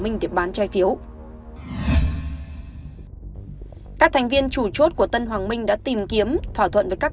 minh để bán trái phiếu các thành viên chủ chốt của tân hoàng minh đã tìm kiếm thỏa thuận với các